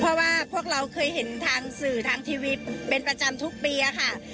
เพราะว่าพวกเราเคยเห็นทางสื่อทางทีวีเป็นประจำทุกปีค่ะ